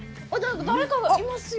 誰かがいますよ。